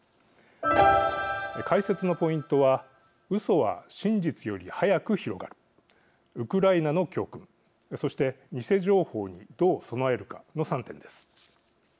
解説のポイントはうそは真実より速く広がるウクライナの教訓そして偽情報にどう備えるかの３点です。